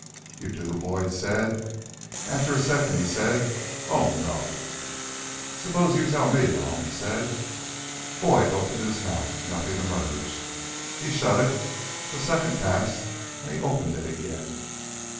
"You do?" Boyd said. After a second he said: "Oh, no." "Suppose you tell me," Malone said. Boyd opened his mouth. Nothing emerged. He shut it. A second passed and he opened it again.